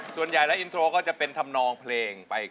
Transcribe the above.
ส่วนใหญ่นะอินโทรของเขาจะเป็นธำนองเพลงไป